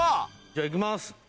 じゃあいきます。